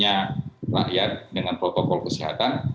bagaimana taatnya rakyat dengan protokol kesehatan